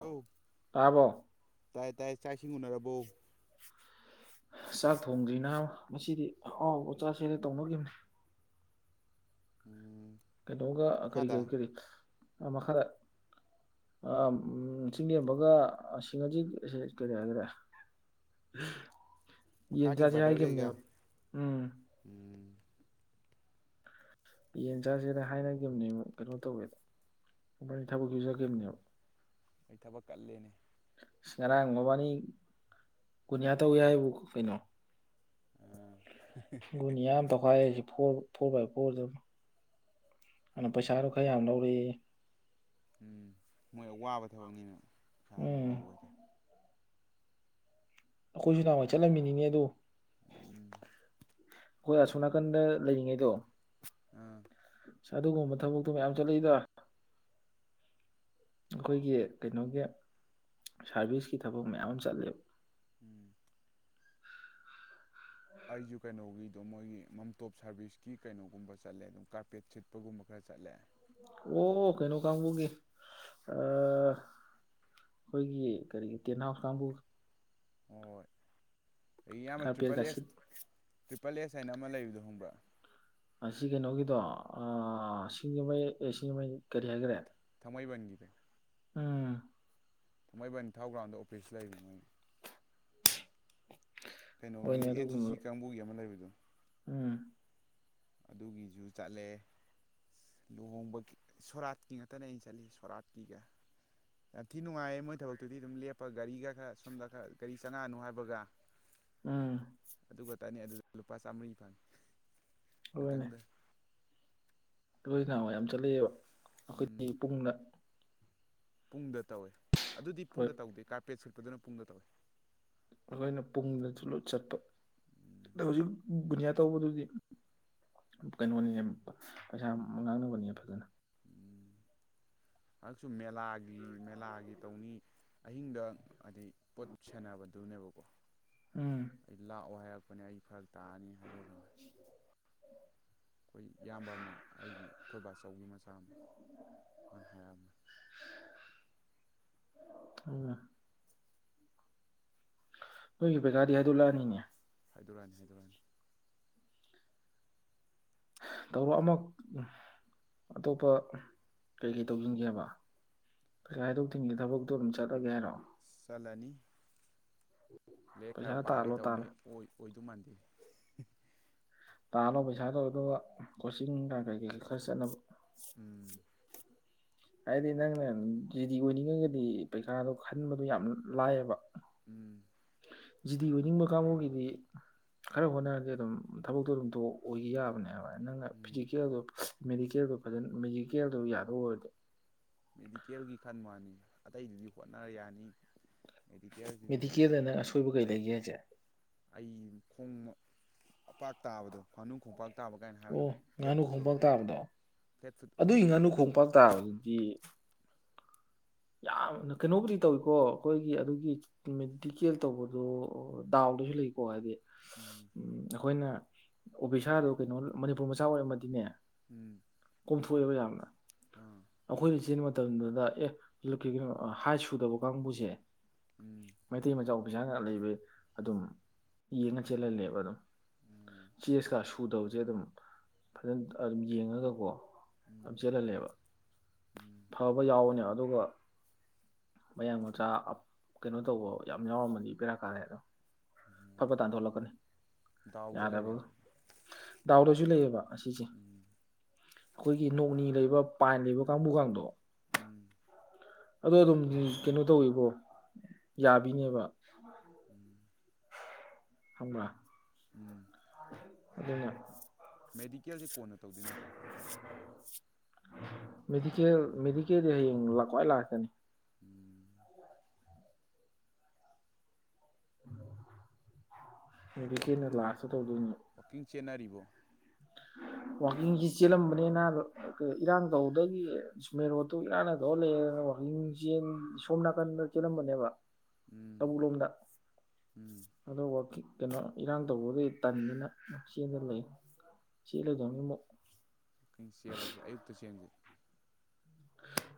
ꯂꯣ ꯇꯥꯔꯕꯣ ꯇꯥꯏ ꯇꯥꯏꯌꯦ ꯆꯥꯛ ꯏꯁꯤꯡ ꯎꯅꯔꯕꯣ ꯆꯥꯛ ꯊꯣꯡꯗ꯭ꯔꯤ ꯅꯕꯥ ꯉꯁꯤꯗꯤ ꯑꯍꯥꯎꯕ ꯆꯥꯛꯁꯦꯅ ꯇꯧꯅꯒꯤꯕꯅꯤ ꯎꯝ ꯀꯩꯅꯣꯒ ꯑ ꯀꯔꯤ ꯀꯔꯤ ꯃꯈꯥꯗ ꯀꯔꯤ ꯑ ꯃꯈꯥꯗ ꯑꯝ ꯎꯝ ꯆꯤꯡꯂꯦꯝꯕꯒ ꯑ ꯁꯤꯡꯉꯖꯤꯠ ꯀꯔꯤ ꯍꯥꯏꯒꯔꯦ ꯌꯦꯟ ꯃꯈꯥꯒꯤ ꯆꯥꯖꯤ ꯕ꯭ꯔꯗꯔꯈꯩꯒ ꯍꯥꯏꯒꯤꯕꯅꯦꯕ ꯎꯝ ꯎꯝ ꯌꯦꯟ ꯆꯥꯖꯦꯅ ꯍꯥꯏꯅꯒꯤꯕꯅꯦ ꯀꯩꯅꯣ ꯇꯧꯋꯦꯕ ꯃꯕꯥꯟꯅꯤ ꯊꯕꯛ ꯁꯨ ꯆꯠꯈꯤꯕꯅꯦꯕ ꯅꯣꯏ ꯊꯕꯛ ꯀꯜꯂꯦꯅꯦ ꯑꯁ ꯉꯔꯥꯡ ꯃꯕꯥꯅꯤ ꯀꯨꯟꯌꯥ ꯇꯧꯏ ꯍꯥꯏꯕꯨ ꯀꯩꯅꯣ [unintelligible] ꯒꯨꯟꯅꯤꯌꯥ ꯑꯝ ꯇꯧꯈꯥꯏ ꯑꯩꯁꯦ ꯐꯣꯔ ꯐꯣꯔ ꯕꯥꯏ ꯐꯣꯔꯗ ꯑꯗꯨꯅ ꯄꯩꯁꯥꯗꯣ ꯈꯔ ꯌꯥꯝ ꯂꯧꯔꯛꯑꯦꯌꯦ ꯎꯝ ꯃꯣꯏꯗꯨ ꯋꯥꯕ ꯊꯕꯛꯅꯤꯅ ꯀꯥꯟ ꯎꯝ ꯂꯩꯕ ꯍꯥꯏꯇꯔꯦ ꯑꯩꯈꯣꯏꯁꯨ ꯅꯍꯥꯟꯋꯥꯏ ꯆꯠꯂꯝꯃꯤꯅꯤꯅꯦ ꯑꯗꯨ ꯎꯝ ꯑꯈꯣꯏ ꯑꯁꯣꯝ ꯅꯥꯀꯟꯗ ꯂꯩꯔꯤꯉꯩꯗꯣ ꯎꯝ ꯑꯁ ꯑꯗꯨꯒꯨꯝꯕ ꯊꯕꯛꯇꯣ ꯃꯌꯥꯝ ꯆꯠꯂꯛꯏꯗ ꯑꯩꯈꯣꯏꯒꯤ ꯀꯩꯅꯣꯒꯤ ꯁꯥꯔꯚꯤꯁꯀꯤ ꯊꯕꯛ ꯃꯌꯥꯝ ꯑꯃ ꯆꯠꯂꯦꯕ ꯎꯝ ꯑꯩꯖꯨ ꯀꯩꯅꯣꯒꯤꯗꯣ ꯃꯣꯏꯒꯤ ꯃꯝꯇꯣꯞ ꯁꯥꯔꯚꯤꯁꯀꯤ ꯀꯩꯅꯣꯒꯨꯝꯕ ꯆꯠꯂꯦ ꯑꯗꯨꯝ ꯀꯥꯔꯄꯦꯠ ꯁꯤꯠꯄꯒꯨꯝꯕ ꯈꯔ ꯆꯠꯂꯦ ꯑꯣ ꯑꯣ ꯀꯩꯅꯣ ꯀꯥꯡꯒꯨꯒꯤ ꯑ ꯑꯩꯈꯣꯏꯒꯤ ꯀꯔꯤ ꯇꯦꯟꯍꯥꯎꯁ ꯀꯥꯡꯒꯨ ꯍꯣꯏ ꯏꯌꯥꯝꯕ ꯇ꯭ꯔꯤꯄꯜ ꯀꯥꯔꯄꯦꯠꯀ ꯁꯤꯠ ꯑꯦꯁ ꯇ꯭ꯔꯤꯄꯜ ꯑꯦꯁ ꯍꯥꯏꯅ ꯑꯃ ꯂꯩꯕꯗꯣ ꯈꯪꯕ꯭ꯔꯥ ꯑꯁꯤ ꯀꯩꯅꯣꯒꯤꯗꯣ ꯑ ꯁꯤꯡꯖꯃꯩ ꯑꯦ ꯁꯤꯡꯖꯃꯩ ꯀꯔꯤ ꯍꯥꯏꯒꯔꯦ ꯊꯥꯡꯃꯩꯕꯟꯒꯤꯗꯣ ꯎꯝ ꯊꯥꯡꯃꯩꯕꯟ ꯊꯥꯎ ꯒ꯭ꯔꯥꯎꯟꯗ ꯑꯣꯐꯤꯁ ꯂꯩꯕꯅꯦ ꯃꯣꯏꯒꯤ ꯀꯩꯅꯣꯒꯤ ꯍꯣꯏꯅꯦ ꯑꯦꯟ ꯁꯤ ꯑꯗꯨꯒꯨꯝꯕ ꯁꯤ ꯀꯥꯡꯕꯨꯒꯤ ꯑꯃ ꯂꯩꯕꯗꯣ ꯎꯝ ꯑꯗꯨꯒꯤꯁꯨ ꯆꯠꯂꯦ ꯂꯨꯍꯣꯡꯕꯒꯤ ꯁꯣꯔꯥꯠꯀꯤ ꯉꯥꯛꯇꯅ ꯑꯩꯅ ꯆꯠꯂꯤ ꯁꯣꯔꯥꯠꯀꯤꯒ ꯌꯥꯝ ꯊꯤ ꯅꯨꯡꯉꯥꯏꯌꯦ ꯃꯣꯏ ꯊꯕꯛꯇꯨꯗꯤ ꯑꯗꯨꯝ ꯂꯦꯞꯄꯒ ꯒꯥꯔꯤꯒ ꯈꯔ ꯁꯣꯝꯗ ꯈꯔ ꯒꯥꯔꯤ ꯆꯪꯉꯛꯑꯅꯣ ꯍꯥꯏꯕꯒ ꯎꯝ ꯑꯗꯨ ꯈ ꯇꯅꯤ ꯑꯗꯨꯗ ꯂꯨꯄꯥ ꯆꯥꯃꯔꯤ ꯐꯪꯉꯤ ꯉꯥꯛꯇꯪꯗ ꯂꯣꯏꯅꯥ ꯌꯥꯝ ꯆꯠꯂꯛꯑꯦꯕ ꯎꯝ ꯑꯩꯈꯣꯏꯗꯤ ꯄꯨꯡꯗ ꯄꯨꯡꯗ ꯇꯧꯋꯦ ꯑꯗꯨꯗꯤ ꯍꯣꯏ ꯄꯨꯡꯗ ꯇꯧꯗꯦ ꯀꯥꯔꯄꯦꯠ ꯁꯤꯠꯄꯗꯨꯅ ꯄꯨꯡꯗ ꯇꯧꯏꯦ ꯑꯩꯈꯣꯏꯅ ꯄꯨꯡꯗꯂꯣꯠ ꯆꯠꯄ ꯎꯝ ꯑꯗ ꯍꯧꯖꯤꯛ ꯒꯨꯅꯤꯌꯥ ꯇꯧꯕꯗꯨꯗꯤ ꯀꯩꯅꯣꯅꯤꯅꯦ ꯄꯩꯁꯥ ꯉꯥꯡꯅꯕꯅꯦ ꯐꯖꯅ ꯎꯝ ꯍꯟꯗꯛꯁꯨ ꯃꯦꯂꯥꯒꯤ ꯃꯦꯂꯥꯒꯤ ꯇꯧꯅꯤ ꯑꯍꯤꯡꯗ ꯍꯥꯏꯩ ꯄꯣꯠ ꯁꯦꯅꯕꯗꯨꯅꯦꯕꯀꯣ ꯎꯝ ꯑꯩ ꯂꯥꯛꯑꯣ ꯍꯥꯏꯔꯛꯄꯅꯦ ꯑꯩ ꯐꯔꯛ ꯇꯥꯔꯅꯤ ꯍꯥꯏꯗꯣꯛꯈ꯭ꯔꯅꯤ ꯑꯩꯈꯣꯏ ꯏꯌꯥꯝꯕ ꯑꯃ ꯑꯩꯒꯤ ꯑꯩꯈꯣꯏꯕꯥꯆꯧꯒꯤ ꯃꯆꯥ ꯑꯃ ꯃꯥꯅ ꯍꯥꯏꯔꯛꯑꯝꯃꯦ ꯎꯝ ꯅꯣꯏꯒꯤ ꯄꯩꯀꯥꯗꯤ ꯍꯥꯏꯗ ꯂꯥꯛꯑꯅꯤꯅꯦ ꯍꯥꯏꯗꯣꯔꯥꯅꯤ ꯍꯥꯏꯗꯣꯔꯅꯤ ꯇꯔꯣ ꯑꯃꯨꯛ ꯑꯇꯣꯞꯄ ꯀꯔꯤꯀꯩ ꯇꯧꯁꯤꯟꯒꯦꯕ ꯄꯩꯁꯥ ꯍꯥꯏꯗꯣꯛꯇꯤꯟꯒꯤ ꯊꯕꯛꯇꯣ ꯑꯗꯨꯝ ꯆꯠꯂꯒꯦ ꯍꯥꯏꯔꯣ ꯆꯂꯅꯤ ꯂꯦꯛ ꯄꯩꯁꯥ ꯈꯔ ꯄꯥꯒꯦ ꯇꯥꯜꯂꯣ ꯇꯧꯅꯤ ꯇꯥꯜꯂꯣ ꯑꯣꯏꯗꯃꯥꯟꯗꯦ ꯇꯥꯜꯂꯣ ꯄꯩꯁꯥ ꯇꯧꯋ ꯑꯗꯨꯒ ꯀꯣꯆꯤꯡ ꯀ ꯀꯩꯀꯩꯁꯨ ꯈꯔ ꯆꯠꯅꯕ ꯎꯝ ꯍꯥꯏꯗꯤ ꯅꯪꯅ ꯖꯤ ꯗꯤ ꯑꯣꯏꯅꯤꯡꯉꯒꯗꯤ ꯄꯩꯈꯥꯗꯣ ꯈꯟꯕꯗꯣ ꯌꯥꯝ ꯂꯥꯏꯑꯕ ꯎꯝ ꯖꯤꯗꯤ ꯑꯣꯏꯅꯤꯡꯕ ꯀꯥꯡꯕꯨꯒꯤꯗꯤ ꯈꯔ ꯍꯣꯠꯅꯔꯗꯤ ꯑꯗꯨꯝ ꯊꯕꯛꯇꯣ ꯑꯗꯨꯝꯑꯣ ꯑꯣꯏꯈꯤ ꯌꯥꯕꯅꯦꯕ ꯅꯪꯅ ꯎꯝ ꯐꯤꯖꯤꯀꯦꯜꯗꯣ ꯃꯦꯗꯤꯀꯦꯜꯗꯣ ꯐꯖꯅ ꯃꯦꯖꯤꯀꯦꯜꯗꯣ ꯌꯥꯗꯧ ꯑꯣꯏꯔꯗꯣ ꯃꯦꯗꯤꯀꯦꯜꯒꯤ ꯈꯟ ꯃꯥꯅꯤ ꯑꯇꯩꯗꯨꯗꯤ ꯍꯣꯠꯅꯔ ꯌꯥꯅꯤ ꯃꯦꯗꯤꯀꯦꯜꯁꯤꯗꯤ ꯃꯤꯗꯤꯤꯀꯦꯗꯅ ꯑꯁꯣꯏꯕ ꯀꯩ ꯂꯩꯒꯦ ꯍꯥꯏꯁꯦ ꯑꯩ ꯈꯣꯡ ꯑꯄꯥꯛ ꯇꯥꯕꯗꯣ ꯐꯥꯅꯨ ꯈꯣꯡꯄꯥꯛ ꯇꯥꯕ ꯀꯥꯏꯅ ꯑꯣ ꯍꯥꯏꯕꯗꯣ ꯐ꯭ꯂꯦꯠ ꯉꯥꯅꯨ ꯐꯨꯠ ꯈꯣꯡꯄꯥꯛ ꯑꯣꯏꯕꯗꯣ ꯇꯥꯕꯗꯣ ꯐ꯭ꯂꯦꯠ ꯐꯨꯠ ꯑꯗꯨꯒꯤ ꯑꯣꯏꯕꯗꯣ ꯉꯥꯅꯨ ꯈꯣꯡꯄꯥꯛ ꯇꯥꯕꯗꯨꯗꯤ ꯌꯥꯝꯅ ꯀꯩꯅꯣꯕꯨꯗꯤ ꯇꯧꯏꯀꯣ ꯑꯩꯈꯣꯏꯒꯤ ꯑꯗꯨꯒꯤ ꯃꯦꯗꯤꯀꯦꯜ ꯇꯧꯕꯗꯣ ꯗꯥꯎꯗꯁꯨ ꯂꯩꯀꯣ ꯍꯥꯏꯗꯤ ꯎꯝ ꯎꯝ ꯑꯩꯈꯣꯏꯅ ꯑꯣꯕꯤꯁꯥꯗꯨ ꯀꯩꯅꯣ ꯃꯅꯤꯄꯨꯔ ꯃꯆꯥ ꯑꯣꯏꯔꯝꯃꯗꯤꯅꯦ ꯎꯝ ꯀꯣꯝꯊꯣꯛꯑꯦꯕ ꯌꯥꯝꯅ ꯑꯥ ꯑꯩꯈꯣꯏꯅ ꯆꯦꯟꯕ ꯃꯇꯝꯗꯨꯗ ꯑꯦ ꯀꯣ ꯍꯥꯏ ꯁꯨꯗꯕ ꯀꯥꯡꯕꯨꯁꯦ ꯎꯝ ꯃꯩꯇꯩ ꯃꯆꯥꯎ ꯄꯁꯥꯅ ꯂꯩꯕ ꯑꯗꯨꯝ ꯌꯦꯡꯉ ꯆꯦꯜꯍꯜꯂꯦꯕ ꯑꯗꯨꯝ ꯎꯝ ꯆꯦꯁꯀ ꯁꯨꯗꯕꯁꯦ ꯑꯗꯨꯝ ꯐꯖꯅ ꯑꯗꯨꯝ ꯌꯦꯡꯉꯒꯀꯣ ꯌꯥꯝ ꯆꯦꯜꯍꯜꯂꯦꯕ ꯎꯝ ꯐꯕ ꯌꯥꯎꯋꯅꯦ ꯑꯗꯨꯒ ꯃꯌꯥꯡ ꯃꯆꯥ ꯀꯩꯅꯣ ꯇꯧꯕ ꯌꯥꯝ ꯌꯥꯎꯔꯝꯃꯗꯤ ꯄꯦꯔꯥ ꯀꯥꯂꯦ ꯑꯗꯣ ꯎꯝ ꯐꯕ ꯇꯥꯟꯊꯣꯛꯂꯛꯀꯅꯤ ꯗꯥꯎꯗ ꯌꯥꯗꯕ ꯂꯩꯔꯦꯕ ꯑꯗꯨꯗꯤ ꯗꯥꯎꯗꯁꯨ ꯂꯩꯌꯦꯕ ꯑꯁꯤꯁꯦ ꯎꯝ ꯑꯩꯈꯣꯏꯒꯤ ꯅꯣꯛꯅꯤ ꯂꯩꯕ ꯄꯥꯟ ꯂꯩꯕ ꯀꯥꯡꯕꯨ ꯀꯥꯡꯗꯣ ꯎꯝ ꯑꯗꯣ ꯑꯗꯨꯝ ꯀꯩꯅꯣ ꯇꯧꯋꯕꯣ ꯌꯥꯕꯤꯅꯦꯕ ꯎꯝ ꯈꯪꯕꯔꯥ ꯎꯝ ꯑꯗꯨꯟꯅ ꯃꯦꯗꯤꯀꯦꯜꯁꯦ ꯀꯣꯟꯅ ꯇꯧꯗꯣꯏ ꯅꯠꯇ꯭ꯔꯣ ꯃꯦꯗꯤꯀꯦꯜ ꯃꯦꯗꯤꯀꯦꯜꯗꯤ ꯍꯌꯦꯡ ꯂ ꯈ꯭ꯋꯥꯏ ꯂꯥꯁꯇꯅꯤ ꯎꯝ ꯃ‌ꯦꯗꯤꯀ‌ꯦꯜꯅ ꯋꯥꯛꯀꯤꯡ ꯂꯥꯥꯁꯇ ꯇꯧꯗꯣꯏꯅꯦ ꯋꯥꯛꯀꯤꯡ ꯆꯦꯟꯅꯔꯤꯕꯣ ꯋꯥꯛꯀꯤꯡꯁꯤ ꯆꯦꯜꯂꯝꯕꯅꯤ ꯅꯥꯕꯥ ꯏꯔꯥꯡ ꯇꯧꯕꯗꯒꯤ ꯏꯁ ꯃꯦꯟ ꯔꯣꯠꯇꯨ ꯏꯔꯥꯡꯅ ꯇꯧꯔ ꯂꯩ ꯋꯥꯛꯀꯤꯡ ꯆꯦꯟ ꯁꯣꯝ ꯅꯥꯀꯟꯗ ꯆꯦꯜꯂꯝꯕꯅꯦꯕ ꯎꯝ ꯇꯧꯕꯨꯜ ꯂꯣꯝꯗ ꯎꯝ ꯑꯗ‌ꯣ ꯋꯥꯛꯀꯤꯡ ꯀꯩꯅꯣ ꯏꯔꯥꯡ ꯇꯧꯕꯗꯨꯏ ꯇꯟꯗꯅ ꯆꯦꯟꯗꯅ ꯂꯩ ꯆ‌ꯦꯜꯂꯗꯝꯅꯤ ꯃꯨꯛ ꯋꯀꯤꯡ ꯆꯦꯜꯂꯁꯦ ꯑꯌꯨꯛꯇ ꯆꯦꯟꯁꯦ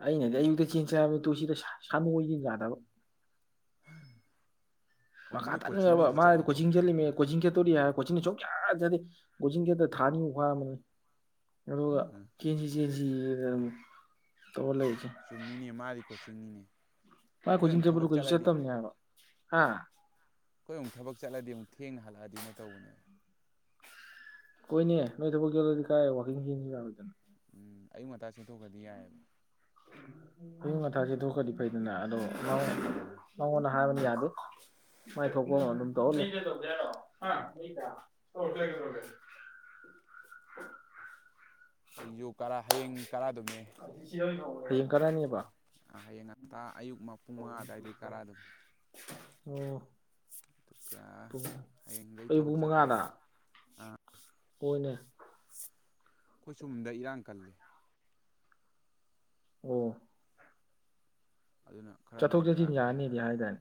ꯑꯩꯅꯗꯤ ꯑꯌꯨꯛꯇ ꯆꯦꯟ ꯍꯥꯏꯕꯅꯤ ꯇꯨ ꯁꯤꯗ ꯁꯥꯟꯅ‌ꯣꯏꯁꯤꯅ ꯌꯥꯗꯕ ꯍꯣꯏ ꯃꯈꯥ ꯃꯣꯏ ꯇꯟꯈ꯭ꯔꯕ ꯀꯣꯆꯤꯡꯕꯨꯗꯤ ꯃꯥꯗꯤ ꯆꯠꯂꯤꯀꯣ ꯀꯣꯆꯤꯡ ꯆꯠꯂꯤꯃꯦ ꯀꯣꯆꯤꯡ ꯆꯠꯇꯣꯔꯤ ꯍꯥꯏꯔ ꯀꯣꯆꯤꯡꯗꯤ ꯁꯨꯡꯆꯠ ꯆꯠꯇ‌ꯦ ꯀꯣꯆꯤꯡ ꯆꯠꯇ ꯊꯥ ꯅꯤꯃꯨꯛ ꯐꯥꯔꯝꯃꯅꯤ ꯑꯗꯨꯒ ꯆꯦꯟꯁꯤ ꯆꯦꯟꯁꯤꯗ ꯑꯃꯨꯛ ꯇꯧ ꯂꯩꯏꯁꯦ ꯆꯨꯝꯃꯤꯅꯦ ꯃꯥꯗꯤ ꯀꯣꯆꯤꯡꯅꯤꯅꯦ ꯃꯥ ꯑꯩꯈꯣꯏ ꯀ‌ꯣꯆꯤꯡ ꯑꯃꯨꯛ ꯆꯠꯄꯗ‌ꯣ ꯊꯕꯛ ꯀꯩꯁꯨ ꯆꯠꯂꯗꯤ ꯆꯠꯇꯝꯅ‌ꯦ ꯍꯥꯕ ꯍꯥ ꯑꯩꯈꯣꯏ ꯑꯃꯨꯛ ꯊꯕꯛ ꯆꯠꯂꯗꯤ ꯑꯃꯨꯛ ꯊꯦꯡꯅ ꯍꯜꯂꯛꯑꯗꯤꯅ ꯇꯧꯕꯅꯦ ꯀꯣꯏꯅꯦ ꯅꯣꯏ ꯊꯕꯛ ꯆꯠꯂꯗꯤ ꯀꯥꯏ ꯋꯥꯀꯤꯡ ꯆ‌ꯦꯟꯁꯤ ꯌꯥꯔ‌ꯣꯏꯗꯅ ꯌꯥꯔꯣꯏꯗꯅ ꯎꯝ ꯑꯌꯨꯛ ꯉꯟꯇꯥ ꯆꯦꯟꯊꯣꯛꯈ꯭ꯔꯗꯤ ꯌꯥꯏꯕ ꯑꯌꯨꯛ ꯉꯟꯇꯥ ꯆ‌ꯦꯟꯊ‌ꯣꯛꯈ꯭ꯔꯗꯤ ꯐꯩꯗꯅ ꯑꯗꯣ ꯃ ꯎꯝ ꯃꯉꯣꯟ ꯍꯥꯏꯕ ꯌꯥꯗꯦ ꯃꯥꯏ ꯊꯣꯛꯄꯝ ꯑꯗꯨꯝ ꯇꯧ ꯂꯩ [unintelligible] ꯑꯣ [unintelligible] ꯑꯩ ꯌꯨ ꯀꯔꯥ ꯍꯌꯦꯡ ꯀꯔꯥꯗꯨꯝꯃꯦ [unintelligible] ꯍꯌ‌ꯦꯡ ꯀꯥꯔ ꯍ ꯑ ꯍꯌꯦꯡ ꯉꯟꯇꯥ ꯑꯌꯨꯛ ꯃ ꯄꯨꯡ ꯃꯉꯥ ꯑꯗꯥꯏꯗꯒꯤ ꯀꯔꯑꯗꯨꯝꯅꯤ ꯑꯣ ꯑꯗꯨꯒ ꯄꯨꯡ ꯍꯌꯦꯡꯗꯒꯤ ꯑꯌꯨꯛ ꯊꯕꯛ ꯆꯠꯄ ꯌꯥꯝ ꯀ‌ꯣꯟꯅ ꯑꯩꯈꯣꯏ ꯁꯨꯝꯗ ꯏꯔꯥꯡ ꯀꯜꯂꯦ ꯑꯣ ꯑꯗꯨꯅ ꯈꯔ ꯆꯠꯊꯣꯛ ꯉꯟꯅ ꯆꯠꯁꯤꯟ ꯀꯥꯔꯛꯇ꯭ꯔꯗꯤ ꯌꯥꯅꯤꯗꯤ ꯌꯥꯗꯕ ꯍꯥꯏꯗꯥꯏꯅꯦ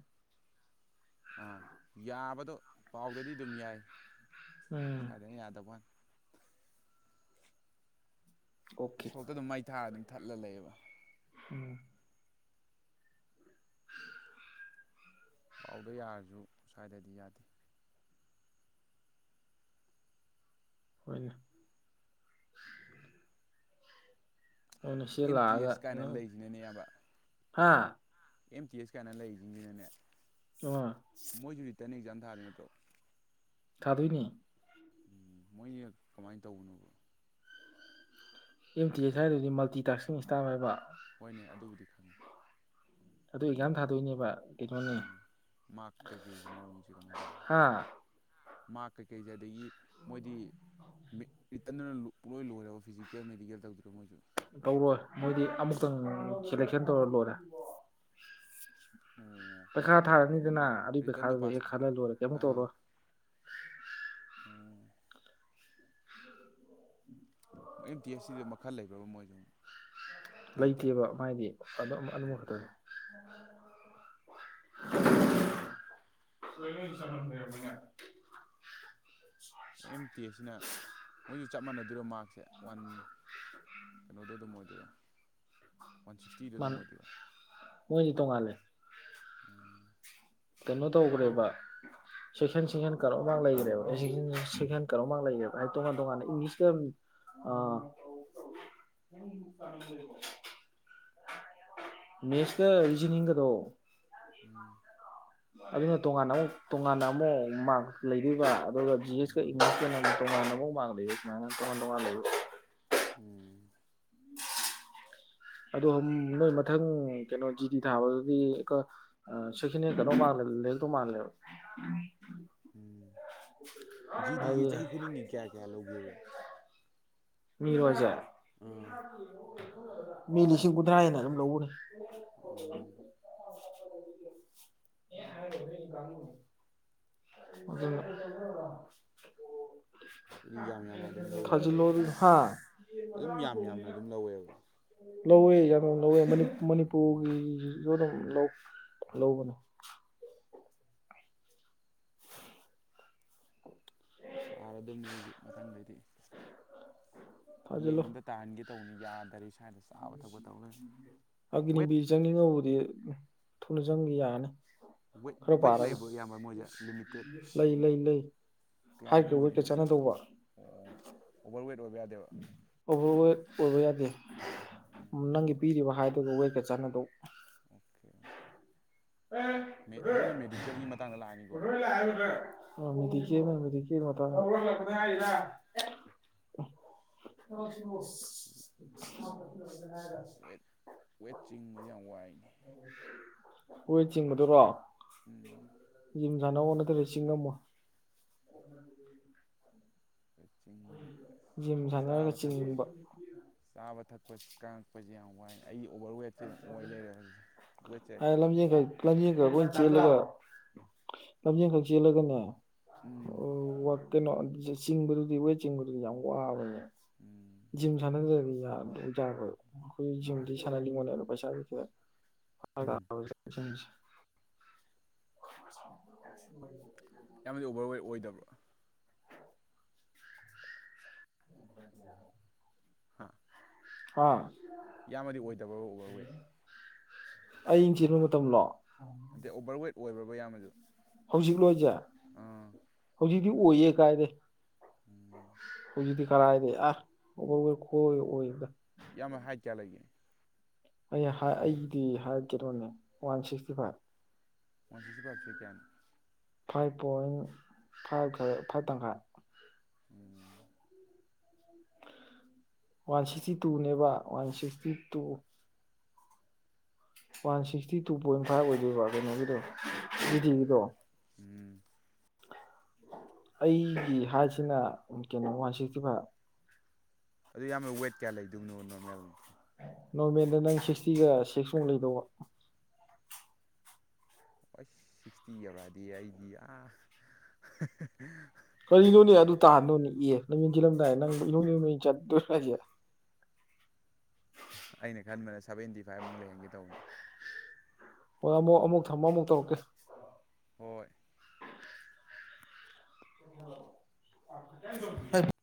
ꯑꯥ ꯌꯥꯕꯗꯣ ꯄꯥꯎꯗꯗꯤ ꯑꯗꯨꯝ ꯌꯥꯏ ꯎꯝ ꯁꯋꯥꯏꯗꯅ ꯌꯥꯗꯕ ꯋꯥꯅꯤ ꯑꯣꯀꯦ ꯁꯣꯛꯇ ꯑꯗꯨꯝ ꯃꯩ ꯊꯥꯔ ꯑꯗꯨꯝ ꯊꯠꯂ ꯂꯩꯕ ꯎꯝ ꯄꯥꯎꯗ ꯌꯥꯔꯖꯨ ꯁ꯭ꯋꯥꯏꯗꯗꯤ ꯌꯥꯗꯦ ꯍ‌ꯣꯏꯟ ꯃꯣꯏꯅ ꯁꯤ ꯑꯦꯝ ꯇꯤ ꯂꯥꯛꯑꯒ ꯑꯦꯁ ꯀꯥꯏꯅ ꯅꯪ ꯂꯩꯁꯤꯅꯅꯦ ꯑꯌꯥꯝꯕ ꯍꯥ ꯑꯦꯝ ꯇꯤ ꯑꯦꯁ ꯀꯥꯏꯅ ꯂꯩꯔꯤꯁꯤꯡꯁꯤꯅꯅꯦ ꯑ‌ꯣ ꯃꯣꯏꯁꯨ ꯔꯤꯇꯟ ꯑꯦꯛꯖꯥꯝ ꯊꯥꯗ‌ꯣꯏ ꯅꯠꯇ꯭ꯔꯣ ꯊꯥꯗꯣꯏꯅꯦ ꯎꯝ ꯃꯣꯏꯁꯤ ꯀꯃꯥꯏꯟ ꯇꯧꯕꯅꯣꯕ ꯑꯦꯝ ꯇꯤ ꯑꯦꯁ ꯍꯥꯏꯗꯨꯗꯤ ꯃꯜꯇꯤ ꯇꯥꯛꯁꯀꯤꯡ ꯏꯁꯇꯥꯞ ꯍꯥꯏꯕ ꯍꯣꯏꯅꯦ ꯑꯗꯨꯕꯨꯗꯤ ꯈꯪꯉꯤ ꯑꯗꯨ ꯑꯦꯛꯖꯥꯝ ꯊꯥꯗꯣꯏꯅꯦꯕ ꯀꯩꯅꯣꯅꯤ ꯃꯔ ꯀꯩꯀꯩꯒꯤ ꯃꯑꯣꯡꯁꯦ ꯀꯃꯥꯏꯅ ꯇꯧꯅꯤ ꯍꯥ ꯃꯥꯔ ꯀꯩꯀꯩꯁꯦ ꯑꯗꯒꯤ ꯃꯣꯏꯗꯤ ꯔꯤꯇꯟꯗꯨꯅ ꯂꯣꯏ ꯂꯣꯏꯔꯦꯕ ꯐꯤꯖꯤꯀꯦꯜ ꯃꯦꯗꯤꯀꯦꯜ ꯇꯧꯗꯣꯏꯔꯣ ꯃꯣꯏꯁꯨ ꯇꯧꯔꯣꯏ ꯃꯣꯏꯗꯤ ꯑꯃꯨꯛꯇꯪ ꯁꯦꯂꯦꯛꯁꯟ ꯇꯧꯔ ꯂꯣꯏꯔꯦ ꯑꯣ ꯄꯩꯈꯥ ꯊꯥꯔꯅꯤꯗꯅ ꯑꯗꯨꯏ ꯔꯤꯇꯟꯗꯣ ꯄꯩꯈꯥꯗꯨꯗ ꯍꯦꯛ ꯄꯥꯁ ꯈꯜꯂ ꯂꯣꯏꯔꯦ ꯀꯩꯃꯨꯛ ꯇꯧꯔꯣꯏ ꯎꯝ ꯣꯏ ꯑꯦꯝ ꯇꯤ ꯑꯦꯁ ꯁꯤꯗ ꯃꯈꯜ ꯂꯩꯕ꯭ꯔꯕ ꯃꯣꯏꯁꯨ ꯑꯃ ꯂꯩꯇꯦꯕ ꯃꯥꯥꯏꯗꯤ ꯑꯗꯨꯝꯕ ꯈꯛꯇꯅꯤ ꯑꯣꯀꯦ ꯑꯣꯀꯦ ꯆꯝꯔ ꯑꯦꯝ ꯇꯤ ꯑꯦ ꯁꯤꯅ ꯃꯣꯏꯁꯨ ꯆꯞ ꯃꯥꯟꯅꯗꯣꯏꯔꯣ ꯃꯥꯔꯛꯁꯦ ꯋꯥꯟ ꯀꯩꯅꯣꯗꯣ ꯑꯗꯨꯝ ꯑꯣꯏꯗꯣꯏꯔꯥ ꯋꯥꯟ ꯁꯤꯛꯁ ꯃ ꯃꯣꯏꯗꯤ ꯇꯉꯥꯂꯦ ꯎꯝ ꯀꯩꯅꯣ ꯇꯧꯈ꯭ꯔꯦꯕ ꯆꯦꯛꯁꯟ ꯆꯦꯛꯁꯟ ꯀꯔꯃꯥꯡ ꯂꯩꯈ꯭ꯔꯦꯕ ꯦꯛꯁꯟ ꯀꯩꯅꯣꯃꯛ ꯂꯩ ꯇꯣꯉꯥꯟ ꯇꯣꯉꯥꯟꯅ ꯏꯪꯂꯤꯁꯇ ꯑ ꯃꯦꯠꯁꯀ ꯔꯤꯖꯅꯤꯡꯒꯗꯣ ꯎꯝ ꯑꯗꯨꯅ ꯇꯣꯉꯥꯟꯅ ꯑꯃꯨꯛ ꯇꯣꯉꯥꯟꯅ ꯑꯃꯨꯛ ꯃꯥꯔꯛ ꯂꯩꯕꯤꯕ ꯑꯗꯨꯒ ꯖꯤ ꯑꯦꯁꯀ ꯎꯝ ꯏꯪꯂꯤꯁꯀꯅ ꯇꯣꯉꯥꯟꯥꯟꯕ ꯃꯥꯎ ꯃꯥꯡ ꯂꯩꯕ ꯁꯨꯃꯅ ꯇꯣꯉꯥꯟ ꯇꯣꯉꯥꯟ ꯂꯩꯕ ꯎꯝ ꯑꯗ ꯅꯣꯏ ꯃꯊꯪ ꯀꯩꯅꯣ ꯖꯤ ꯇꯤ ꯊꯥꯕꯗꯨꯗꯤ ꯑ ꯁꯤꯈꯤꯅꯦ ꯀꯩꯅꯣ ꯃꯥ ꯇ ꯃꯥꯜꯂꯦꯕ ꯎꯝ ꯖꯤꯗꯤ ꯍꯥꯏꯗꯤ ꯆꯍꯤ ꯈꯨꯗꯤꯡꯒꯤ ꯀꯌꯥ ꯀꯌꯥ ꯂꯧꯒꯦꯕ ꯃꯤꯔꯣꯖꯦ ꯑꯥ ꯃꯤ ꯂꯤꯁꯤꯡ ꯍꯨꯊ꯭ꯔꯥ ꯍꯅ ꯑꯗꯨꯝ ꯂꯧꯕꯅꯤ ꯎꯝ ꯑꯦ ꯍꯥꯏꯣ ꯔ ꯑꯗꯨ ꯑꯗꯨꯗꯤ ꯌꯥꯝ ꯌꯥꯝꯅ ꯑꯗꯨꯝ ꯂꯧꯔꯤꯅꯤꯅꯦ ꯐꯖꯂꯔꯤ ꯍꯥꯥ ꯑꯗꯨꯝ ꯌꯥꯝ ꯌꯥꯝꯅ ꯑꯗꯨꯝ ꯂꯧꯋꯦꯕ ꯂꯧꯋꯦ ꯌꯥꯝ ꯂꯧꯋꯦ ꯎꯝ ꯃꯅꯤꯄꯨꯔꯒꯤꯁꯨ ꯑꯗꯨꯝ ꯂꯧꯕꯅꯦ ꯊꯥꯔꯗꯕꯅꯦ ꯑꯩꯁꯨ ꯃꯊꯪꯗꯩꯗꯤ ꯊꯥꯖꯤꯜꯂꯣ ꯌꯦꯡꯉꯝꯗ ꯇꯍꯟꯒꯦ ꯇꯧꯅꯤ ꯌꯥꯗꯔꯦ ꯁ꯭ꯋꯥꯏꯗ ꯆꯥꯕ ꯊꯛꯄ ꯇꯧ ꯂꯩꯔꯦ ꯋꯦꯠ ꯑꯒꯤꯅꯤꯕꯤ ꯆꯪꯅꯤꯡꯉꯧꯕꯗꯤ ꯊꯨꯅ ꯆꯪꯒ ꯌꯥꯔꯅꯤ ꯋꯦꯠ ꯈꯔ ꯋꯦꯠ ꯄꯥꯔꯒ ꯂꯩꯕ꯭ꯔ ꯑꯌꯥꯝꯕ ꯃꯣꯏꯁꯦ ꯂꯤꯃꯤꯇꯦꯠ ꯂꯩ ꯂꯩ ꯂꯩ ꯀꯌꯥꯕꯨ ꯍꯥꯏꯠꯀ ꯋꯦꯠꯀ ꯑꯣꯏꯗꯣꯏꯅꯣ ꯆꯥꯟꯅꯗꯧꯕ ꯑꯣ ꯑꯣ ꯑꯣꯚꯔ ꯋꯦꯠ ꯑꯣꯏꯕ ꯌꯥꯗꯦꯕ ꯑꯣꯚꯔꯋꯦꯠ ꯑꯣꯏꯕ ꯌꯥꯗꯦ ꯅꯪꯒꯤ ꯄꯤꯔꯤꯕ ꯍꯥꯏꯗꯨꯒ ꯋꯦꯠꯀ ꯆꯥꯟꯅꯗꯧ ꯑꯣꯀꯦ ꯑꯣꯀꯦ ꯑꯗꯨꯅ ꯃꯦꯗꯤꯀꯦꯜꯒꯤ ꯃꯇꯥꯡꯗ ꯂꯥꯛꯑꯅꯤꯀꯣ [unintelligible] [unintelligible] [unintelligible] ꯋꯦꯠ ꯋꯦꯠ ꯆꯤꯡꯕꯁꯤ ꯌꯥꯝ ꯋꯥꯏꯅꯦ ꯋꯦꯠ ꯆꯤꯡꯕꯗꯨꯔꯣ ꯎꯝ ꯖꯤꯝ ꯁꯥꯟꯅꯧꯑꯣ ꯅꯠꯇ꯭ꯔꯗꯤ ꯆꯤꯡ ꯉꯝꯃꯣꯏ ꯑꯩꯈꯣꯏ ꯆꯤꯡꯕꯗ ꯖꯤꯝ ꯁꯥꯟꯅꯔꯒ ꯆꯥꯕ ꯊꯛꯄ ꯆꯤꯡꯕ [unintelligible] ꯆꯥꯕ ꯊꯛꯄ ꯀꯉꯛꯄꯁꯦ ꯌꯥꯝ ꯋꯥꯏ ꯑꯩ ꯑꯣꯚꯔ ꯋꯦꯠꯁꯦ ꯑꯗꯨꯝ ꯑꯣꯏ ꯂꯩꯔꯦꯕ ꯍꯧꯖꯤꯁꯦ ꯋꯦꯠꯁꯦ [unintelligible] ꯂꯝꯖꯦꯜꯈꯛ ꯑꯣꯏ ꯆꯦꯜꯂꯒ ꯂꯝꯖꯦꯜꯈꯛ ꯆꯦꯜꯂꯒꯅꯦ ꯎꯝ ꯑꯣ ꯀꯩꯅꯣ ꯆꯤꯡꯕꯗꯨꯗꯤ ꯋꯦ ꯆꯤꯡꯕꯗꯨꯗꯤ ꯌꯥꯝ ꯋꯥꯕꯅꯦ ꯎꯝ ꯖꯤꯝ ꯁꯥꯟꯅꯗꯔꯗꯤ ꯌꯥꯔꯣꯏ ꯑꯈꯣꯏ ꯖꯤꯝꯗꯤ ꯎꯝ ꯁꯥꯟ ꯄꯩꯁꯥ ꯎꯝ ꯂꯩꯇꯥꯗꯥꯅ [unintelligible] [unintelligible] ꯌꯥꯝꯕꯗꯤ ꯑꯣꯕꯔꯋꯦꯠ ꯑꯣꯏꯗꯕ꯭ꯔꯣ ꯍꯥꯥ ꯍꯥ ꯌꯥꯝꯃꯗꯤ ꯑꯣꯏꯗꯕ꯭ꯔꯣ ꯑꯣꯕꯔꯋꯦꯠ ꯑꯤꯡ ꯆꯤꯟꯕ ꯃꯇꯝꯂꯣ ꯅꯠꯇꯦ ꯑꯣꯕꯔꯋꯦꯠ ꯑꯣꯏꯕ꯭ꯔꯕ ꯌꯥꯝꯕꯁꯨ ꯍꯧꯖꯤꯛ ꯂꯣ ꯍꯥꯏꯁꯦ ꯑꯥ ꯍꯧꯖꯤꯛꯗꯤ ꯑꯣꯏꯌꯦ ꯀꯥꯏꯗꯩ ꯎꯝ ꯍꯧꯖꯤꯛꯗꯤ ꯀꯔꯥꯏꯗꯩ ꯑ ꯑꯣꯕꯔ ꯋꯦꯠ ꯈꯨꯑꯣꯏ ꯑꯣꯏꯗ ꯌꯥꯝꯕ ꯍꯥꯏꯠ ꯀꯌꯥ ꯂꯩꯒꯦ ꯑꯩ ꯍꯥ ꯑꯩꯗꯤ ꯍꯥꯏꯠ ꯀꯩꯅꯣꯅꯦ one sixty five one sixty ꯐꯥꯏꯚꯁꯦ ꯀꯌꯥꯅꯣ ꯐꯥꯏꯚ ꯄꯣꯏꯟ ꯐꯥꯏꯚ ꯈꯔ ꯐꯥꯏꯚ ꯇꯪꯈꯥꯏ ꯎꯝ ꯋꯥꯟ ꯁꯤꯛꯁꯇꯤ ꯇꯨꯅꯦꯕ one sixty two one sixty two point five ꯑꯣꯏꯗꯣꯏꯕ ꯀꯩꯅꯣꯒꯤꯗꯣ ꯖꯤꯗꯤꯒꯤꯗꯣ ꯎꯝ ꯑꯩꯒꯤ ꯍꯥꯏꯠꯁꯤꯅ ꯀꯩꯅꯣ ꯋꯥꯟ ꯁꯤꯛꯁꯇꯤ ꯐꯥꯏꯚ ꯑꯗꯨ ꯌꯥꯝꯕ ꯋꯦꯠ ꯀꯌꯥ ꯂꯩꯗꯣꯏꯕꯅꯣ ꯅꯣꯔꯃꯦꯜꯗꯤ ꯅꯣꯔꯃꯦꯜꯗ ꯅꯪ ꯁꯤꯛꯁꯇꯤꯒ ꯁꯤꯛꯁꯃꯨꯛ ꯂꯩꯗꯧꯕ ꯍꯁ ꯁꯤꯛꯁꯇꯤ ꯌꯧꯔꯛꯑꯗꯤ ꯑꯩꯗꯤ ꯑꯥ ꯀꯔꯤꯅꯣꯅꯦ ꯑꯗꯨ ꯇꯥꯍꯟꯗꯣꯅꯦ ꯑꯦ ꯂꯝꯖꯦꯜ ꯆꯦꯜꯂꯝꯗꯥꯏ ꯅꯪ ꯏꯅꯣꯏ ꯅꯣꯏꯃꯩ ꯆꯠꯇꯣꯏꯔꯣ ꯍꯥꯏꯁꯦ ꯑꯩꯅ ꯈꯟꯕꯅ ꯁꯕꯦꯟꯇꯤ ꯐꯥꯏꯚꯃꯨꯛ ꯂꯩꯍꯟꯒꯦ ꯇꯧꯕꯅꯤ ꯍꯣꯏ ꯑꯃꯨꯛ ꯑꯃꯨꯛ ꯊꯝꯃꯨ ꯑꯃꯨꯛ ꯇꯧꯔꯛꯀꯦ ꯍꯣꯏ [unintelligible]